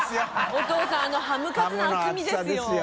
お父さんあのハムかつの厚みですよ。